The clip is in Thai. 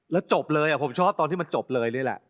แล้วจบเลยผมชอบตอนที่มันจบเลยนี่แหละ